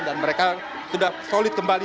dan mereka sudah solid kembali